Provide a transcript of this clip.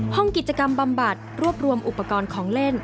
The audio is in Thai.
ห้องกิจกรรมบำบัดรวบรวมอุปกรณ์ของเล่น